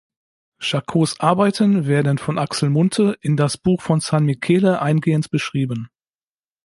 Charcots Arbeiten werden von Axel Munthe in "Das Buch von San Michele" eingehend beschrieben.